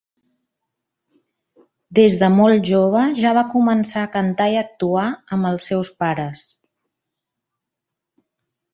Des de molt jove ja va començar a cantar i actuar amb els seus pares.